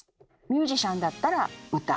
ミュージシャンだったら「歌」